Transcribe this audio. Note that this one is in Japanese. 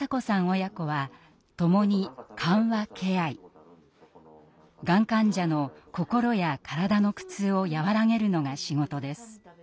親子は共にがん患者の心や体の苦痛を和らげるのが仕事です。